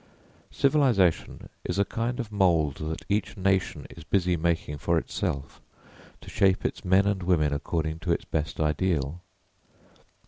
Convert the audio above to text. Civilisation is a kind of mould that each nation is busy making for itself to shape its men and women according to its best ideal.